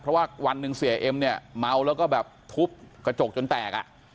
เพราะว่าวันหนึ่งเสียเอ็มเนี่ยเมาแล้วก็แบบทุบกระจกจนแตกอ่ะ